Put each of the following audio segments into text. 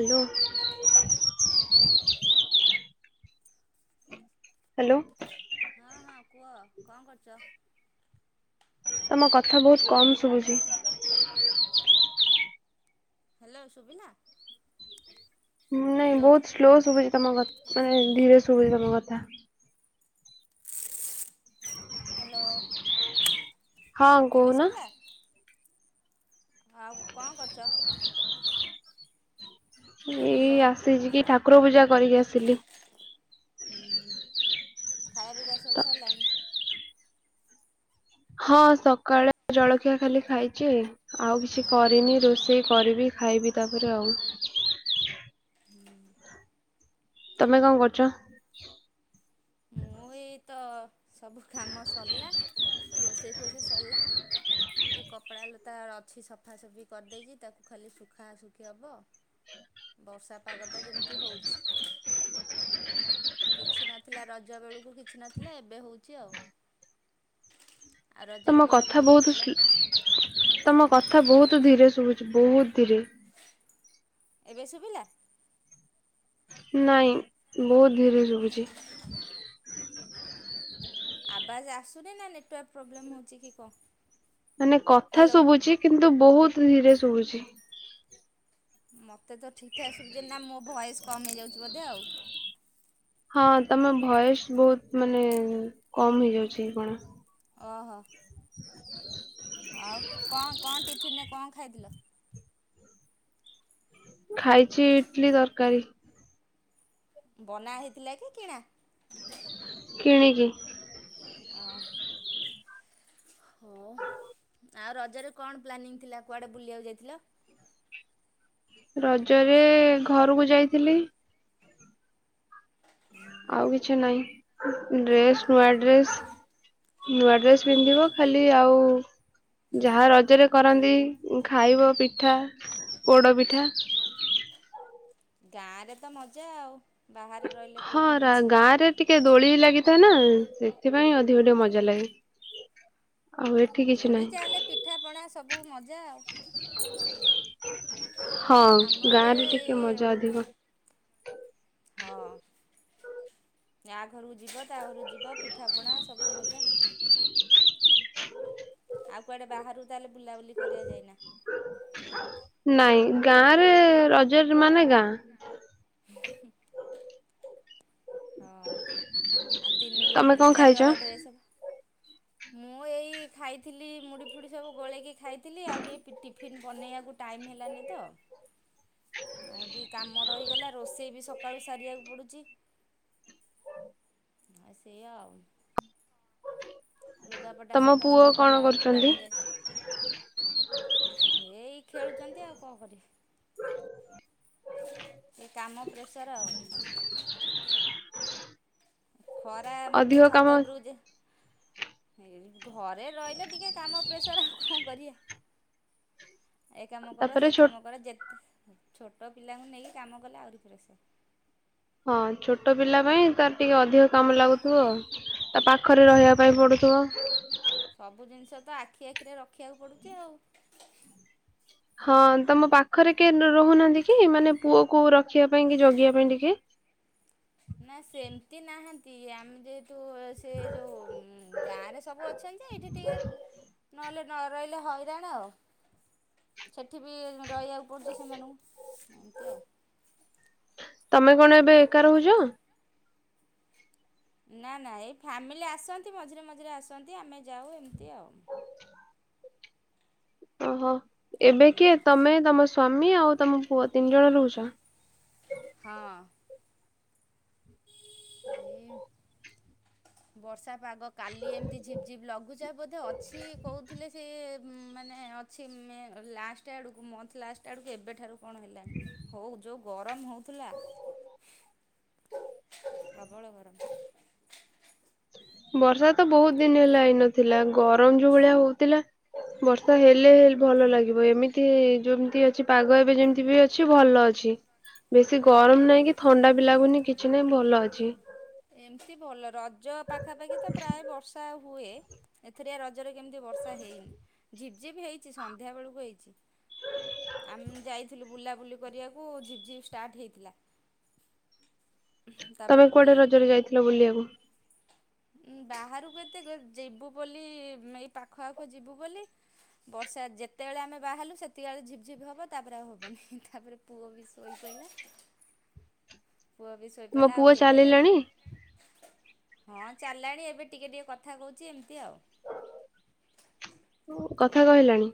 Hello. ହା। ହଁଅଁ କୁଅ? ହାଲୋ। ହଁ ହଁ କୁହ କଁ କରୁଚ? ତମ କଥା ବୋହୁତ୍ କମ୍ ଶୁଭୁଚି। ହ୍ୟାଲୋ ଶୁଭିଲା? ହ୍ୟାଲୋ। ନାଇଁବହୁତ୍ ସ୍ଲୋ ଶୁଭୁଚି ତମ କ ନାଇଁ ଧୀରେ ଶୁଭୁଚି ତମ କଥା। ହ୍ୟାଲୋ। ହଁଅଁ ଏବେ କୋହୁନା। ଶୁଭିଲା? ଆଉ କଁ କରୁଚ? ଏଇ ହ୍ୟାଲୋ। ଆସିଚି କି ଠାକୁର ପୂଜା କରିକି ଆସିଲି। ହୁ ହୁଁ ଖାଇବା ପିଇବା ସବୁ ସରିଲାଣି? ହଁ ସକାଳେ ଜଳଖିଆ ଖାଲି ଖାଇଚି। ଆଉ କିଛି କରିନି ରୋଷେଇ କରିବି ଖାଇବି ତାପରେ ଆଉ। ହୁଁଉଁ। ତମେ କଁ କରୁଚ? ମୁଁ ଏଇ ତ ସବୁ କାମ ସରିଲା ରୋଷେଇ ଫୋଷେଇ ସରିଲା। ଏଇ କପଡ଼ା ଲୁତା ଅଛି ସଫାସଫି କରିଦେଇଚି ତାକୁ ଖାଲି ଶୁଖାଶୁଖି ହବ। ବର୍ଷା ପାଗ ତ ଯେମିତି ହୋଉଛି। କିଛି ନଥିଲା ରଜ ବେଳୁ କୁ କିଛି ନଥିଲା, ଏବେ ହଉଛି ଆଉ। ଆଉ ରଜରେ ତମ କୁଆଡ଼େ କଥା ବୁଲି ବହୁତୁ ଯାଇଥିଲ? ସ୍ଲୋ। ତମ କଥା ବହୁତୁ ଧୀରେ ଶୁଭୁଛି ବହୁତ୍ ଧୀରେ। ଏବେ ଶୁଭିଲା? ନାଇଁ। ବୋହୁତ୍ ଧୀରେ ଶୁଭୁଛି। ଆବାଜ୍ ଆସୁନି, ନା ନେଟୱାର୍କ ପ୍ରୋବ୍ଲେମ୍ ହଉଛି କି କଁ। ମାନେ କଥା ଶୁଭୁଛି। କିନ୍ତୁ ବହୁତ୍ ଧୀରେ ଶୁଭୁଛି। ମତେ ତ ଠିକ୍ ଠାକ୍ ଶୁଭୁଚି। ନା ମୋ ଭଏସ୍ କମ୍ ହେଇଯାଉଚି ବୋଧେ ଆଉ। ହଁଅଁ। ତମ ଭଏସ୍ ବହୁତ୍ ମାନେ କମ୍ ହେଇଯାଉଛି କି କଣ? ଓହ। [unintelligible] ଆଉ କଣ କଣ ଟିଫିନ୍ ରେ କଣ ଖାଇଥିଲ? ଖାଇଚି ଇଡ୍ଲି ତରକାରୀ। ବନା ହେଇଥିଲା କି କିଣା? କିଣିକି। [unintelligible] ହଉ ଆଉ ରଜରେ କଣ ପ୍ଲାନିଂ ଥିଲା କୁଆଡେ ବୁଲିଆକୁ ଯାଇଥିଲ? ରଜରେ ଘରୁକୁ ଯାଇଥିଲି। ଆଉ କିଛି ନାଇଁ ଡ୍ରେସ୍ ନୂଆ ଡ୍ରେସ୍। ନୂଆ ଡ୍ରେସ୍ ପିନ୍ଧିବ ଖାଲି ଆଉ। ଯାହା ରଜରେ କରନ୍ତି ଖାଇବ ପିଠା ପୋଡ଼ପିଠା। ଗାଁ ରେ ତ ମଜା ଆଉ ବାହାରେ ରହିଲେ କଉଠି ହଁ ମଜା। ଗାଁ ରେ ଟିକେ ଦୋଳି ଲାଗିଥାଏ ନା ସେଥିପାଇଁ ଅଧିକ ଟିକେ ମଜା ଲାଗେ। ଆଉ ଏଠି କିଛି ଦୋଳି ନାହିଁ ଜାହେଲେ ପିଠା ପଣା ସବୁ ମଜା ଆଉ। ହଁ ଆମ ଗାଁ ଏରିଆରେ ରେ ଟିକେ ଏଇ ମଜା ଅଧିକ। ହଁ ୟା ଘରୁକୁ ଯିବ ତା ଘରୁକୁ ଯିବ ପିଠାପଣା ସବୁ ମଜା। ଆଉ କୁଆଡ଼େ ବାହାରୁ ତାହାଲେ ବୁଲା ବୁଲି କରିଆକୁ ଯାଇନ? ନାଇଁ ଗାଁରେ ରଜ ମାନେ ଗାଁ। ହୁଁ। ହଁ ଆ ତି ତମେ ଦି କଣ ଚାରି ଖାଇଛ? ଡ୍ରେସ୍ ମୁଁ ଏଇ ଖାଇଥିଲି ମୁଡ଼ି ଫୁଡ଼ି ସବୁ ଗୋଳେଇକି ଖାଇଥିଲି ଆଉ ଟିକେ ଟିଫିନ୍ ବନେଇ ବାକୁ ଟାଇମ୍ ହେଲାନି ତ। [unintelligible] ଆଉ ଟିକେ କାମ ରହିଗଲା ରୋଷେଇ ବି ସକାଳୁ ସାରିବାକୁ ପଡୁଚି। ଆ ସେୟା ଆଉ। ଲୁଗାପଟା ତମ ପୁଅ ସଫାସଫି କଣ କଲାବେଳକୁ କରୁଛନ୍ତି? ଟାଇମ୍ ହେଇ ଏଇ ଖେଳୁଚନ୍ତି ଆଉ କଣ କରିବି। ଏ କାମ ପ୍ରେସର ଆଉ। ଖରା ମୁଁ ଟିକେ ଅଧିକ କାମ ଛାତ ଉପରକୁ ଯା ଏଇ ଘରେ ରଇଲେ ଟିକେ କାମ ପ୍ରେସର ଆଉ କଣ କରିବା। ଏ କାମ କର ତାପରେ ସେ ଛୋ କାମ କର ଯେତେ ଛୋଟ ପିଲାଙ୍କୁ ନେଇକି କାମ କଲେ ଆଉରି ପ୍ରେସର। ହଁ ଛୋଟ ପିଲା ପାଇଁ ତାର ଟିକେ ଅଧିକ କାମ ଲାଗୁଥିବ ଆଉ। ତା ପାଖରେ ରହିବା ପାଇଁ ପଡୁଥିବ। ସବୁ ଜିନିଷ ତ ଆଖି ଆଖିରେ ରଖିବାକୁ ପଡୁଚି ଆଉ। ହଁ ଏଇଆ ଆଉ। ତମ ପାଖରେ କିଏ ରହୁନାହାନ୍ତି କି ମାନେ ପୁଅକୁ ରଖିଆ ପାଇଁ କି ଜଗିବା ପାଇଁ ଟିକେ? ନା ସେମିତି ନାହାନ୍ତି ଆମେ ଯେ ଯୋଉ ସେ ଯୋଉ ଗାଁରେ ସବୁ ଅଛନ୍ତି ଯେ ଏଇଠି ଟିକେ ନହଲେ। ନ ରହିଲେ ହଇରାଣ ଆଉ। ସେଠି ବି ରହିବାକୁ ପଡୁଚି ସେମାନଙ୍କୁ ଏମିତି ଆଉ। ତମେ କଣ ଏବେ ଏକା ରହୁଚ? ନା ନା ଏଇ ଫ୍ୟାମିଲି ଆସନ୍ତି ମଝିରେ ମଝିରେ ଆସନ୍ତି ଆମେ ଯାଉ ଏମିତି ଆଉ। ଓହୋ ଏବେ କିଏ ହୁଁ ତମେ ତମ ସ୍ଵାମୀ ଆଉ ତମ ପୁଅ ତିନି ଜଣ ରହୁଚ? ହଁ। ଏଇ ବର୍ଷା ପାଗ କାଲି ଏମିତି ଝିପ୍ ଝିପ୍ ଲଘୁଚାପ ବୋଧେ ଅଛି କହୁଥିଲେ ସେ ମାନେ ଅଛି ମେ ଲାଷ୍ଟ ଆଡ଼କୁ ମନ୍ଥ ଲାଷ୍ଟ ଆଡ଼କୁ ଏବେଠାରୁ କଣ ହେଲାଣି। ହଉ ଯଉଁ ଗରମ ହେଉଥିଲା ପ୍ରବଳ ଗରମ। ବର୍ଷାତ ବହୁତ୍ ଦିନି ହେଲା ହେଇନଥିଲା ଗରମ ଯୋଉ ଭଳିଆ ହଉଥିଲା ବର୍ଷା ହେଲେ ହେ ଭଲ ଲାଗିବ ଏମିତି ଯେମିତି ଅଛି ପାଗ ଏବେ ଯେମିତିବି ଅ କିଛି ଭଲ ଅଛି ବେଶୀ ଗରମ ନାଇଁ କି ଥଣ୍ଡାବି ଲାଗୁନି କିଛି ନାଇଁ ଭଲ ଅଛି। ଏମିତି ଭଲ ରଜ ପାଖାପାଖିତ ପ୍ରାୟ ବର୍ଷା ହୁଏ ଏଥିରେ ରଜରେ କେମିତି ବର୍ଷା ହେଇନି। ଝିପ୍ ଝିପ୍ ହେଇଚି ସଂଧ୍ୟା ବେଳକୁ ହେଇଚି। ଆମେ ଯାଇଥିଲୁ ବୁଲାବୁଲି କରିବାକୁ ଝିପ୍ ଝିପ୍ ଷ୍ଟାର୍ଟ ହେଇଥିଲା। ତାପରେ ତମେ କୁଆଡ଼େ ପଳେଇଆଇଲୁ ରଜରେ ଯାଇଥିଲ ବୁଲିବାକୁ? ଉ ବାହାରକୁ ଏତେ ଯିବୁ ବୋଲି ଏଇ ପାଖ ଆଖ ଯିବୁ ବୋଲି ବର୍ଷା ଯେତେବେଳେ ଆମେ ବାହାରିଲୁ ସେତିକି ବେଳେ ଝିପ୍ ଝିପ୍ ହବ ତାପରେ ଆଉ ହବନି ତାପରେ ପୁଅବି ଶୋଇପଇଲା [inaudible] ପୁଅବି ଶୋଇ ତୁମ ପଇଲା ଆଉ ପୁଅ ହେଇ ପାଇଲାନି ଚାଲିଲାଣି ହଁ ଚାଲିଲାଣି ଏବେ ଟିକେ ଟିକେ କଥା କହୁଚି ଏମିତି ଆଉ। କଥା ଏଇଆ ଆଉ। କହିଲାଣି?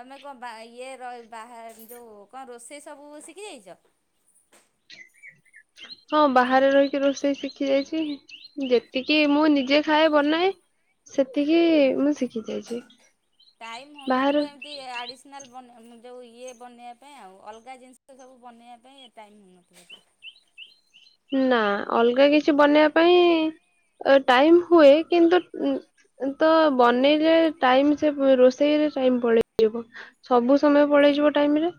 ତମେ କଁ ବା ଇଏ ର ବାହା ଯଉ କଁ ରୋଷେଇ ସବୁ ଶିଖିଯାଇଚ? ହଁ ମାନେ ବାହାରେ ରହିକି ରୋଷେଇ ଶିଖି ଯାଇଚି ଯେତିକି ମୁଁ ନିଜେ ଖାଏ ବନାଏ। ସେତିକି ମୁଁ ଶିଖି ଯାଇଚି ବାହାରେ ଏ ଆଡିସନାଲ୍ ବନା ଯେଉଁ ଇଏ ବନେଇବା ପାଇଁ ଆଉ ଅଲଗା ଜିନିଷ ସବୁ ବନେଇବା ପାଇଁ ଏ ଟାଇମ୍ ହଉନଥିବ ତ ନା ଅଲଗା କିଛି ବନେଇବା ପାଇଁ ଟାଇମ୍ ହୁଏ କିନ୍ତୁ ଉ ତ ବନେଇଲେ ଟାଇମ୍ ସେ ରୋଷେଇରେ ଟାଇମ୍ ପଳେଇଯିବ। ସବୁ ସମୟ ପଳେଇଯିବ ଟାଇମରେ।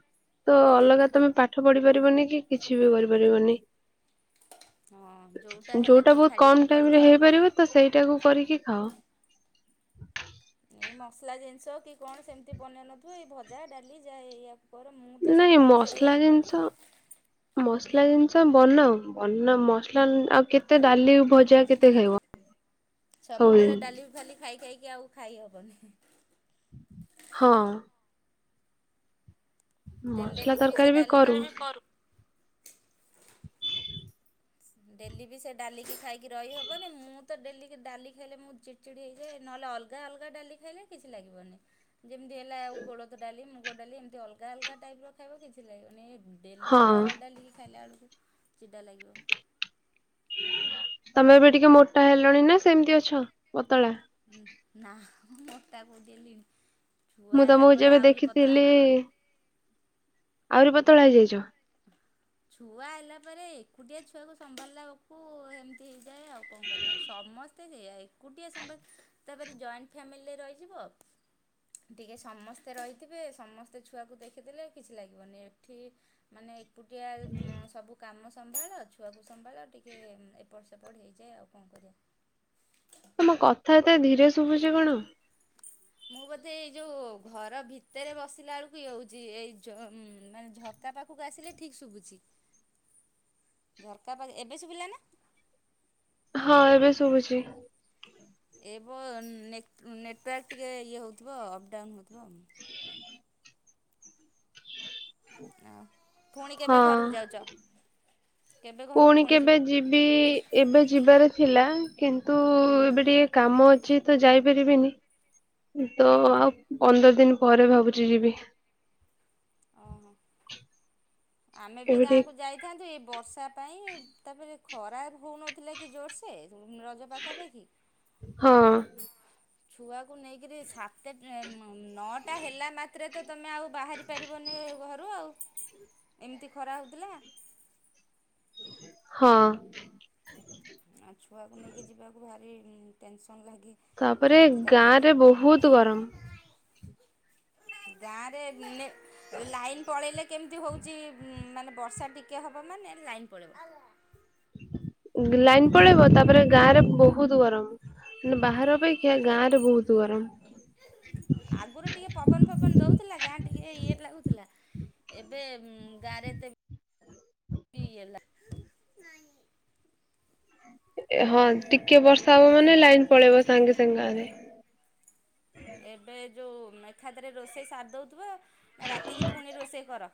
ତ ଅଲଗା ତମେ ପାଠ ପଢି ପାରିବନିକି କିଛିବି କରିପାରିବନି। ହଁ ହେଲେ ଯୋଉଟା ତ ବହୁତ୍ କମ୍ ଛାଡ଼ିବାକୁ ପଡ଼ିବ ଟାଇମରେ ଆଉ। ହେଇପାରିବ ତସେଇଟାକୁ କରିକି ଖାଅ। ଏ ମସଲା ଜିନିଷ କିକଣ ସେମିତି ବନେଇ ନଥିବ ଏଇ ଭଜା ଡାଲି ଯାହା ଏଇଆ କର ମୁଁତ ନାଇଁ ସକାଳୁ ମସଲା ସେଇଆହିଁ କରୁଚି। ଜିନିଷ ମସଲା ଜିନିଷ ବନାଉ ବନା ମସାଲା ଆଉ କେତେ ଡାଲି ଭଜା କେତେ ଖାଇବ। [inaudible] ସବୁବେଳେ ଡାଲି ଫାଲି ଖାଇ ଖାଇକି ଆଉ ଖାଇହବନି। ହଁ। ଡେଲି ମସଲା ଡେଲିକି ତରକାରୀ ବି ସେଡାଲି ତୁଖାଲି କରୁ ଡେଲିବି ସେଡାଲିକି ଖାଇକି ରହିହବନି ମୁଁତ ଡେଲି ଡାଲି ଖାଇଲେ ମୁ ଚି ଚିଡ଼ି ଚିଡ଼ି ହେଇଯାଏ ନହେଲେ ଅଲଗା ଅଲଗା ଡାଲି ଖାଇଲେ କିଛି ଲାଗିବନି। ଯେମିତି ହେଲା ଆଉ କୋଳଥ ଡାଲି ମୁଗ ଡାଲି ଏମିତି ଅଲଗା ଅଲଗା ଟାଇପର ଖାଇବ କିଛି ଲାଗିବନି ଏ ଡେଲି ହଁ ହରଡ଼ ଡାଲି ଖାଇଲା ବେଳକୁ ଚିଡା ଲାଗିବ। ତମେ ଏବେ ଟିକେ ମୋଟା ହେଲଣିନା ସେମିତି ଅଛ ପତଳା? ଉଁ ନା ମୁଁ ମୋଟା କୋଉଠି ହେଲିଣି ମୁଁ ଛୁଆ ହେଲା ତମକୁ ପରେ ଯେବେ ଆହୁରି ପତଳା। ଦେଖିଥିଲି ଆହୁରି ପତଳା ହେଇଯାଇଚ। ଛୁଆ ହେଲା ପରେ ଏକୁଟିଆ ଛୁଆକୁ ସମ୍ଭାଳିଲା ବେକୁ ହେମି ହେଇଯାଏ ଆଉ କଁ କରିବା ସମ ତ ହେଇଆ ଏକୁଟିଆ ସମ୍ଭା, ତା ପରେ ଜଏଣ୍ଟ ଫ୍ୟାମିଲୀ ରେ ରହିଯିବ ଟିକେ ସମସ୍ତେ ରହିଥିବେ, ସମସ୍ତେ ଛୁଆକୁ ଦେଖିଦେଲେ କିଛି ଲାଗିବନି, ଏଠି- ମାନେ ଏକୁ- ଏକୁଟିଆ ସବୁ କାମ ସମ୍ଭାଳ, ଛୁଆ କୁ ସମ୍ଭାଳ, ଟିକେ ଏପଟ ସେପଟ ହେଇଯାଏ ଆଉ କଣ କରିବା। ତମ କଥା ଏତେ ଧୀରେ ଶୁଭୁଚି କଣ? ମୁଁ ବୋଧେ ଏଇ ଯୋଉ ଘର ଭିତରେ ବସିଲା ବେଳକୁ ଇଏ ହଉଚି, ଏଇ ଝ ମାନେ ଝ ତା ପାଖକୁ ଆସିଲେ ଠିକ୍ ଶୁଭୁଛି। [unintelligible] ଝର୍କା ପାଖେ, ଏବେ ଶୁଭିଲା ନା? ହଁ, ଏବେ ଶୁଭୁଚି। ଏ ବ ନେ ନେଟୱାର୍କ ଟିକେ ଇଏ ହେଉଥିବ, ଅପ ଡାଉନ୍ ହେଉଥିବ ଆଉ। ଅ ଫୁଣି କେବେ ହଁ। ଘରକୁ ଯାଉଚ? ପୁଣି କେବେ ଯି ବି, ଏବେ ଯିବାର ଥିଲା କିନ୍ତୁ ଏବେ ଟିକେ କାମ ଅଛି ତ ଯାଇପାରିବିନି। ତ ଆଉ ପନ୍ଦର ଦିନ ପରେ ଭାବୁଚି ଯିବି। ଓହୋ। ଆମେ ବି ଏବେ ଟିକେ ଗାଁକୁ ଯାଇଥାନ୍ତୁ, ଏଇ ବର୍ଷା ପାଇଁ, ତାପରେ ଖରାପ ହଉନଥିଲା କି ଜୋରସ [unintelligible] ରଜ ପାଖାପାଖି, ହଁ। ଛୁଆକୁ ନେଇକିରି ସା ତ ନଅଟା ହେଲା ମାତ୍ରେ ତ ତୁମେ ଆଉ ବାହାରି ପାରିବନି ଘରୁ ଆଉ। ଏମିତି ଖରା ହେଉଥିଲା। ହଁ। ଆଉ ଛୁଆକୁ ନେଇକି ଯିବାକୁ ଭାରି ଟେନସନ୍ ଲାଗେ। ତାପରେ କେମିତି ତାକୁ ଗାଁ ନେଇ ରେ ବହୁତ ଗରମ। ଗାଁରେ ଲାଇନ ପଳେଇଲେ କେମିତି ହଉଚି ମାନେ ବର୍ଷା ଟି ଟିକେ ହବ ମାନେ, ଲାଇନ୍ ପଳେଇବ। ଲାଇନ ପଳେଇବ, ତାପରେ ଗାଁ ରେ ବହୁତ ଗରମ। ମ ବାହାର ଅପେକ୍ଷା ଗାଁରେ ବହୁତ ଗରମ। ଆଗରୁ ଟିକେ ପବନ ଫବନ ଦଉଥିଲା, ଗାଁ ଟିକେ ଇଏ ଲାଗୁଥିଲା। ଏବେ ଗାଁରେ ଏତେ [unintelligible] ହଁ ଟିକେ ବର୍ଷା ହବ ମାନେ, ଲାଇନ ପଳେଇବ ସାଙ୍ଗେ ସାଙ୍ଗେ ଗାଁ ରେ। ଏବେ ଯୋଉ ଏକଖାଥରେ ରୋଷେଇ ସାରି ଦେଉଥିବ, ନା ରାତିକି ପୁଣି ରୋଷେଇ କର?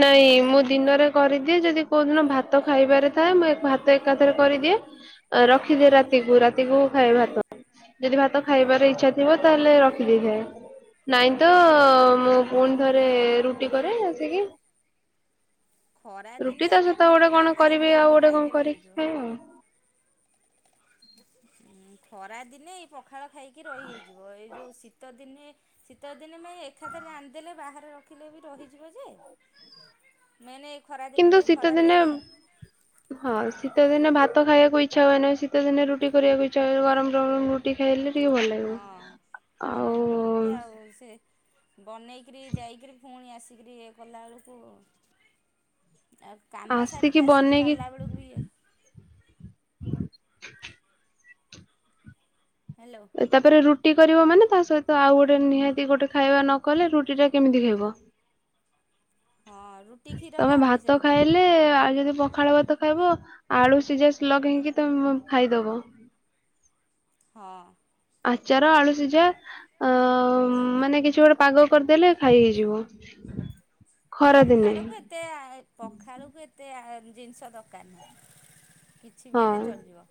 ନାଇଁ ମୁଁ ଦିନରେ କରିଦିଏ, ଯଦି କୋଉ ଦିନ ଭାତ ଖାଇବାରେ ଥାଏ, ମୁଁ ଏ ଭା ତ ଏକାଥରେ କରିଦିଏ, ରଖିଦିଏ ରାତିକୁ, ରାତିକୁ ଖାଏ ଭାତ। ଯଦି ଭାତ ଖାଇବାର ଇଛା ଥିବ, ତାହେଲେ ରଖିଦେଇଥାଏ। ନାଇଁ ତ, ମୁଁ ପୁଣି ଥରେ ରୁଟି କରେ ଆସିକି। ଖରା ଦିନେ ରୁଟି ତା ଏଇ ସହିତ ପଖାଳ ଗୋଟେ ଫଖାଳ କଣ ଖାଇ କରିବି, ଆଉ ଗୋଟେ ଖାଇକି କଣ କରିକି ରହିଯିବ ଖାଏ ଆଉ। ଖରାଦିନେ ଏଇ ପଖାଳ ଖାଇକି ରହି ହେଇଯିବ, ଏ ଯେଉ ଶୀତ ଦିନେ ଶୀତଦିନେ ପାଇଁ ଏକାଥାରେ ରାଣିିଦେଲେ ବାହାରେ ରଖିଲେ ବି, ରହିଯିବ ଯେ ମେନେ ଏଇ ଖରାଦିନେ କିନ୍ତୁ ଟିକେ ଶୀତ ଖରାପ ଦିନେ ହେଇଯାଏ। ହଁ, ଶୀତ ଦିନେ ଭାତ ଖାଇବାକୁ ଇଛା ହୁଏନାହିଁ, ଶୀତ ଦିନେ ରୁଟି କରିବାକୁ ଇଛା ହୁଏ, ଗରମ୍ ଗରମ୍ ରୁଟି ଖାଇଲେ ଟିକେ ଭଲ ଲାଗିବ ହଁ, ଆଉ ଗରମ ଗରମ ରୁଟି, ଆଉ ସେ ବନେଇକିରି, ଯାଇକିରି, ପୁଣି ଆସିକିରି ଇଏ କଲାବେଳକୁ ଆଉ କାମ ସାରିକି ଆସିକି କଲାବେଳକୁ ବି ଇଏ ହାଲୋ। ତାପରେ ରୁଟି କରିବ ମାନେ ତା ସହିତ ଆଉ ଗୋଟେ ନିହାତି ଗୋଟେ ଖାଇବା ନ କଲେ ରୁଟି ଟା କେମିତି ଖାଇବ। ହଁ, ରୁ ତମେ ଭାତ ଖାଇଲେ ଆଉ ଯଦି ପ ଖାଳ ଭାତ ଖାଇବ ଆଳୁ ସିଝା ଲଗେଇକି ତ ମ ଖାଇଦବ। ହଁ। ଆଚାର ଆଳୁ ସୀଜା ଅ ମାନେ କିଛି ଗୋଟେ ପାଗ କରିଦେଲେ ଖାଇ ହେଇଯିବ ଖରା ଦିନେ। ପଖାଳକୁ ଏତେ ପଖାଳକୁ ଏତେ ଜିନିଷ ଦରକାର। [unintelligible] କିଛି ବି ହଁ ହେଲେ ଚଳିଯିବ।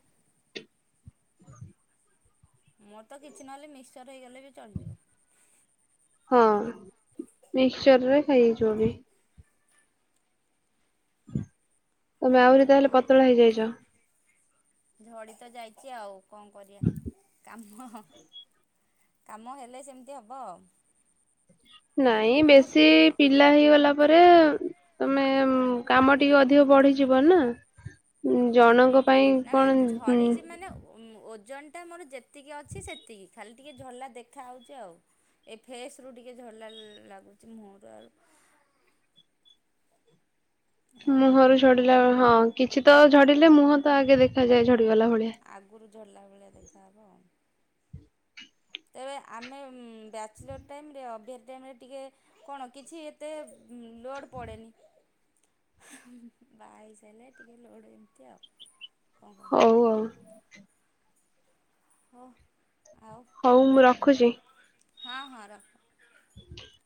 ମୋର ତ କିଛି ନହେଲେ ମିକ୍ସଚର୍ ହେଇଗଲେ ବି ଚଳିଯିବ। ହଁ ମିକସଚର ରେ ଖାଇ ହେଇଯିବ ବି। ତମେ ଆହୁରି ତାହେଲେ ହଁ ପତଳା ହେଇଯାଇଚ। ଝଡ଼ି ତ ଯାଇଛି ଆଉ କଣ କରିବା କାମ କାମ ହେଲେ ସେମିତି ହବ। ନାଇଁ ମୁଁ ବେଶୀ ପି ପିଲା ହେଇଗଲା ପରେ ତମେ କାମ ଟିକେ ଅଧିକ ବଢିଯିବ ନା। ଉଁ ଜଣଙ୍କ ପାଇଁ ନା କଣ ମାନେ ଉଁ ଝଡ଼ିଛି ମାନେ ଓଜନଟା ମୋର ଯେତିକି ଅଛି ସେତିକି ଖାଲି ଟିକେ ଝଡଲା ଦେଖାହେଉଛି ଆଉ। ଏ ଫେସ୍ ରୁ ଟିକେ ଝଲା ଲାଗୁଛି ମୁହଁରୁ ଆଉ। ଆଉ। ମୁହଁରୁ ଝଡିଲା ହଁ କିଛି ତ ଝଡିଲେ ମୁହଁ ତ ଆଗେ ଦେଖାଯାଏ ଝଡିଗଲା ଭଳିଆ। ଆଗୁରୁ ଝଡଲା ଭଳିଆ ଦେଖାହବ ଆଉ। ତେବେ ଆମେ ବ୍ୟାଚଲର ଟାଇମରେ ଅଭିଆରି ଟାଇମରେ ଟିକେ କଣ କିଛି ଏତେ ଲୋଡ ପଡ଼େନି। ବା ହେଇସାରିଲେ ଟିକେ ଲୋଡ ଏମିତି ଆଉ। କଣ କରିବା ହଉ ହଉ। ହଉ ଆଉ ହଉ ମୁଁ କ ରଖୁଛି। ହଁ ହଁ ରଖ। [inaudible]